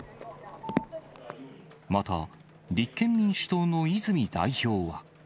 また、立憲民主党の泉代表は。